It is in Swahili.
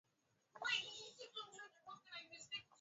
na kuvuruga safari zao za kuelekea kusherehekea